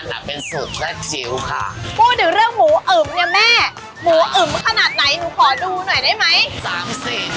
หมูอึ๋มขนาดไหนหนูขอดูหน่อยได้ไหม